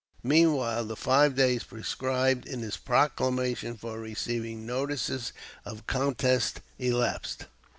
Meanwhile the five days prescribed in his proclamation for receiving notices of contest elapsed.